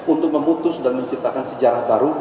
untuk memutus dan menciptakan sejarah baru